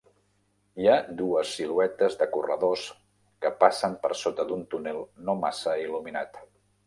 Hi ha dues siluetes de corredors que passen per sota d'un túnel no massa il·luminat.